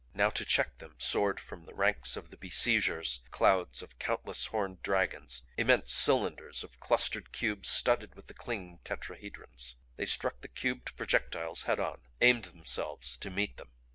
Now to check them soared from the ranks of the besiegers clouds of countless horned dragons, immense cylinders of clustered cubes studded with the clinging tetrahedrons. They struck the cubed projectiles head on; aimed themselves to meet them.